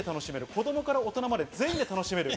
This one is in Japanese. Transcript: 子供から大人まで全員で楽しめる。